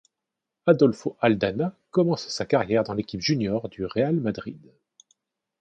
Adolfo Aldana commence sa carrière dans l'équipe junior du Real Madrid.